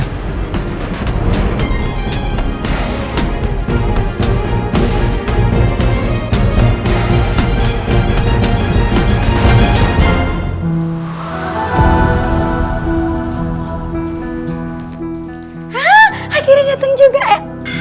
hah akhirnya dateng juga ya